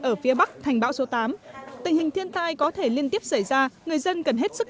ở phía bắc thành bão số tám tình hình thiên tai có thể liên tiếp xảy ra người dân cần hết sức